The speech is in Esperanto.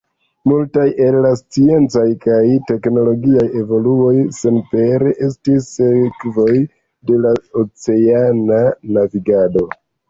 Multaj el la sciencaj kaj teknologiaj evoluoj senpere estis sekvoj de la oceana navigado.